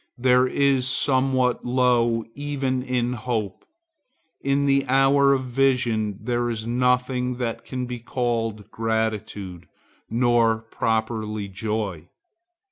There is somewhat low even in hope. In the hour of vision there is nothing that can be called gratitude, nor properly joy.